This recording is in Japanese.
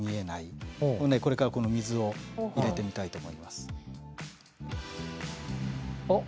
これからこの水を入れてみたいと思います。